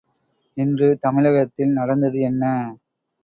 இன்று தமிழகத்தில் நடந்தது என்ன?